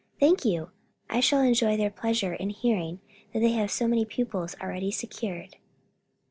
"Thank you; I shall enjoy their pleasure in hearing that they have so many pupils already secured."